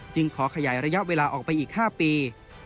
ขอขยายระยะเวลาออกไปอีก๕ปี